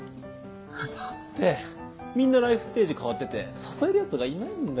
だってみんなライフステージ変わってて誘えるヤツがいないんだよ。